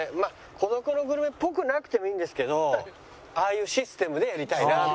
『孤独のグルメ』っぽくなくてもいいんですけどああいうシステムでやりたいなと。